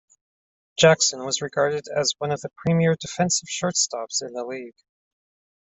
Jackson was regarded as one of the premier defensive shortstops in the league.